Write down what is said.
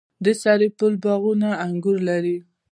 د سرپل باغونه انګور لري.